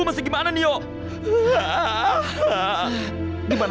apa yang harus saya lakukan